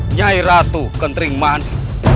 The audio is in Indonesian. nyai ratu kentering mani